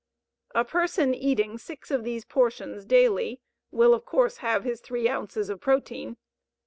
A person eating six of these portions daily will of course have his three ounces of protein.